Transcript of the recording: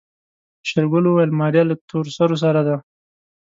شېرګل وويل ماريا له تورسرو سره ده.